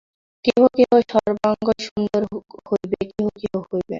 কেহ কেহ সর্বাঙ্গসুন্দর হইবে, কেহ কেহ হইবে না।